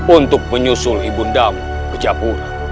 untuk menyusul ibu ndamu ke japura